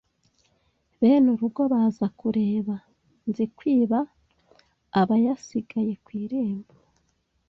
Bene urugo baza kureba Nzikwiba aba yasigaye ku irembo